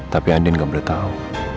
tapi andin gak boleh tahu